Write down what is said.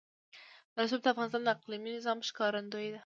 رسوب د افغانستان د اقلیمي نظام ښکارندوی ده.